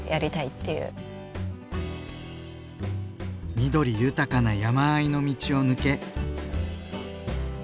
緑豊かな山あいの道を抜け。